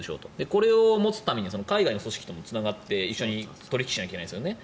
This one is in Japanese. これを持つためには海外の組織ともつながって一緒に取引しなきゃいけないですよね。